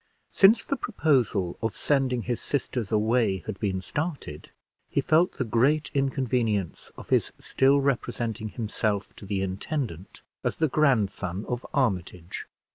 Since the proposal of sending his sisters away had been started, he felt the great inconvenience of his still representing himself to the intendant as the grandson of Armitage.